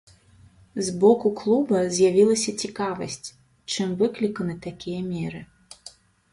З боку клуба з'явілася цікавасць, чым выкліканы такія меры.